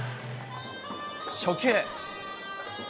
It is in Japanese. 初球。